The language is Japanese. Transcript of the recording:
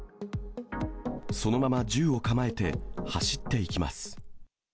そのまま、銃を構えて、走っていきます。